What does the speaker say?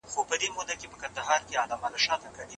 چې نړۍ ورته سلام کوي.